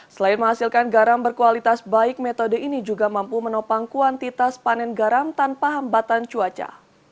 selain menghasilkan garam berkualitas baik metode ini juga mampu menopang kuantitas panen garam tanpa hambatan cuaca